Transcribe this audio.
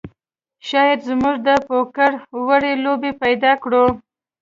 شاید موږ د پوکر وړې لوبې پیدا کړو